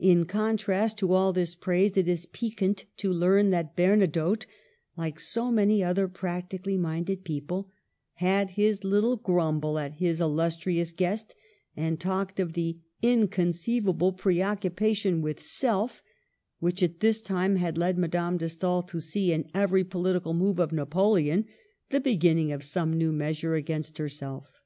In contrast to all this praise, it is piquant to learn that Bernadotte — like so many other practically minded people — had his little grumble at his illus trious guest, and talked of the " inconceivable preoccupation with self," which by this time had led Madame de Stael to see in every political move of Napoleon the beginning of some new measure against herself.